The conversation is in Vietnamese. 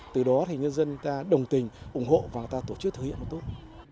từ đó thì nhân dân ta đồng tình ủng hộ và tổ chức thực hiện là tốt